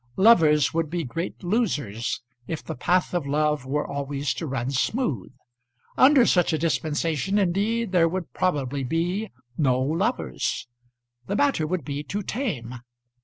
Lovers would be great losers if the path of love were always to run smooth. Under such a dispensation, indeed, there would probably be no lovers. The matter would be too tame.